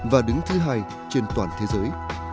và đứng thứ hai trên toàn thế giới